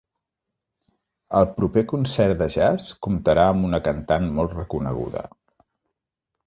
El proper concert de jazz comptarà amb una cantant molt reconeguda.